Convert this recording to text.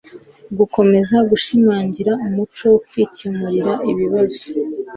gukomeza gushimangira umuco wo kwikemurira ibibazo